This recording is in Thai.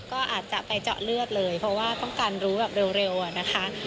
ก็อาจจะไปเจาะเลือดเลยเพราะว่าต้องการรู้แบบเร็วอะนะคะ